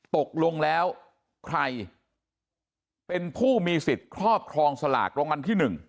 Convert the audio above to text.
ตกลงแล้วใครเป็นผู้มีสิทธิ์ครอบครองสลากรางวัลที่๑